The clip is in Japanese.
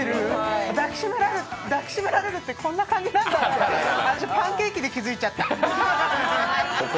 抱き締められるってこんな感じなんだと、私、パンケーキで気づいちゃつた。